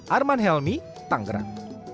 arman helmy tanggerak